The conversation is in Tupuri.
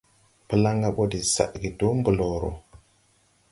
Plaŋga ɓɔ de sadge dɔɔ blɔɔrɔ.